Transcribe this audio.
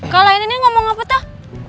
kau lainnya ngomong apa tuh